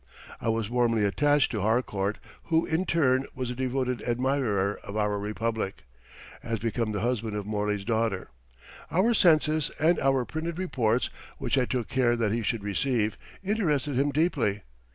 I was warmly attached to Harcourt, who in turn was a devoted admirer of our Republic, as became the husband of Motley's daughter. Our census and our printed reports, which I took care that he should receive, interested him deeply.